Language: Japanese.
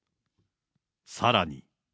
さらに。